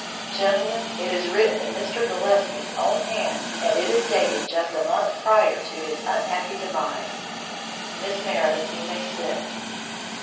Gentlemen, it is written in Mr. Gillespie's own hand, and it is dated just a month prior to his unhappy demise. Miss Meredith, you may sit."